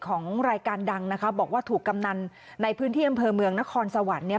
ของรายการดังนะคะบอกว่าถูกกำนันในพื้นที่อำเภอเมืองนครสวรรค์เนี่ย